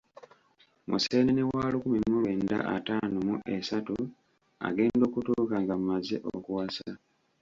Museenene wa lukumi mu lwenda ataano mu esatu agenda okutuuka nga maze okuwasa.